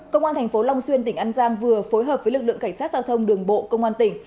công an tp long xuyên tỉnh an giang vừa phối hợp với lực lượng cảnh sát giao thông đường bộ công an tỉnh